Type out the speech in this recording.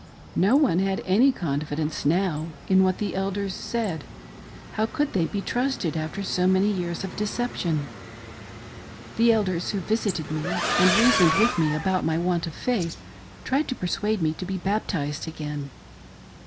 No one had any conildence now in what the Elders said ;— how could they be trusted after so many years of deception 1 The Elders who visited me and reasoned with me abou<t my want of faith, tried to persuade me to be baptized again.